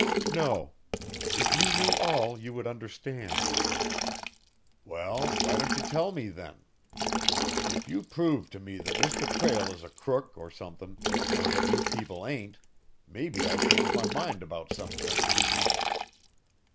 "No. If you knew all, you would understand." "Well, why don't you tell me, then? If you prove to me that Mr. Prale is a crook or somethin', and that you people ain't, maybe I'll change my mind about some things."